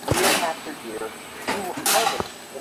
কারন তুই আমাকে ফাঁসিয়ে নিয়েছত।